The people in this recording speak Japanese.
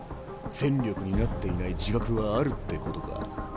戦力になっていない自覚はあるってことか？